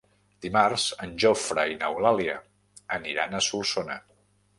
Dimarts en Jofre i n'Eulàlia aniran a Solsona.